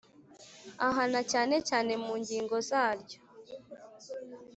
Ahana cyane cyane mu ngingo zaryo